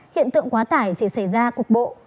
hiện tượng quá tải chỉ xảy ra cuộc bộ